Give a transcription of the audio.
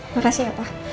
makasih ya pak